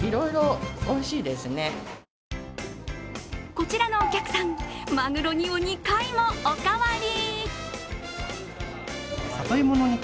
こちらのお客さん、まぐろ煮を２回もおかわり。